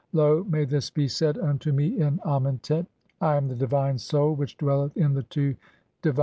Lo, may this be said unto me in Amentet! "I am the divine Soul which dwelleth in ,the two divine 7'chafi".